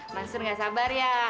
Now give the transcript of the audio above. mansur nggak sabar ya